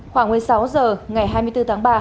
khoảng một mươi sáu h ngày hai mươi bốn tháng ba